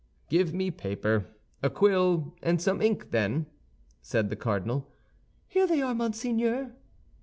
"Give me paper, a quill, and some ink, then," said the cardinal. "Here they are, monseigneur."